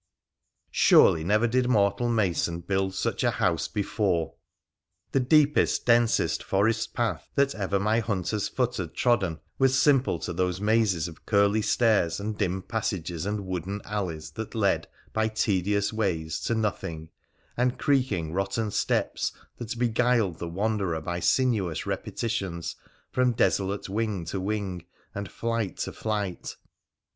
Surely never did mortal mason build such a house before ! The deepest, densest forest path that ever my hunter's foot had trodden was simple to those mazes of curly stairs and dim passages and wooden alleys that led by tedious ways to nothing, and creaking, rotten steps that beguiled the wanderer by sinuous repetitions from desolate wing to wing and flight to flight.